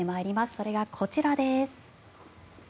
それがこちらです。